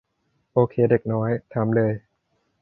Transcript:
โอเคเด็กน้อย ถามเลย